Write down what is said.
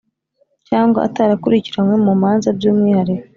cyangwa atarakurikiranywe mu manza by’umwihariko